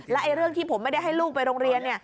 และเรื่องที่ผมไม่ได้ให้ลูกไปโรงเรียน